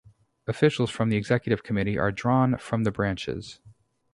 Officials from the executive committee are drawn from the branches.